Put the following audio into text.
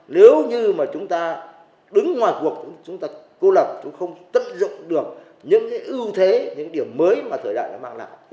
nếu như chúng ta đứng ngoài cuộc chúng ta cô lập chúng ta không tất dụng được những ưu thế những điểm mới mà thời đại đã mang lại